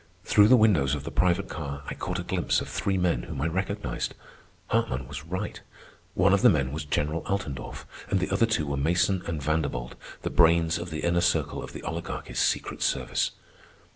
Through the windows of the private car I caught a glimpse of three men whom I recognized. Hartman was right. One of the men was General Altendorff; and the other two were Mason and Vanderbold, the brains of the inner circle of the Oligarchy's secret service.